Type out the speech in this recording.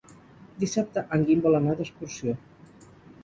Dissabte en Guim vol anar d'excursió.